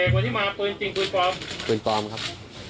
วันนี้มาปืนจริงปืนปลอมปืนปลอมครับ